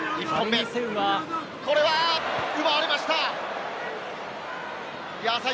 これは奪われました。